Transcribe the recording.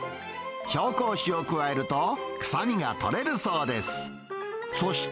紹興酒を加えると、臭みが取れるそうです。